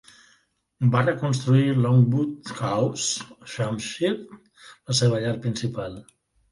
Va reconstruir Longwood House, Hampshire, la seva llar principal.